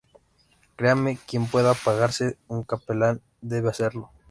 créame, quien pueda pagarse un capellán, debe hacerlo